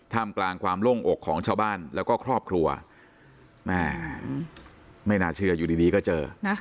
มกลางความโล่งอกของชาวบ้านแล้วก็ครอบครัวแม่ไม่น่าเชื่ออยู่ดีก็เจอนะ